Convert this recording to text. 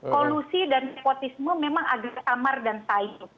kolusi dan nepotisme memang agak samar dan saing